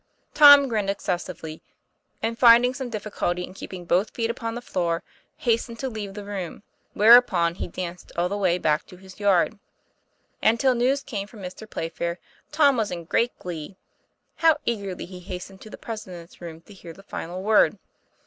Tom grinned excessively, and, finding some diffi culty in keeping both feet upon the floor, hastened to leave the room; whereupon he danced all the way back to his yard. And till news came from Mr. Playfair, Tom was in great glee. How eagerly he hastened to the President's room to hear the final word!